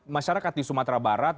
masyarakat di sumatera barat